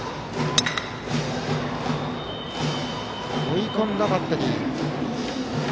追い込んだバッテリー。